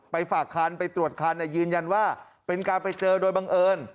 ฝากคันไปตรวจคันยืนยันว่าเป็นการไปเจอโดยบังเอิญ